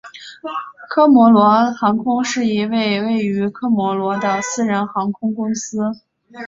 科摩罗航空是一间位于科摩罗的私人航空公司。